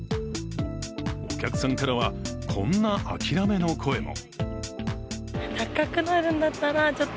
お客さんからは、こんな諦めの声も。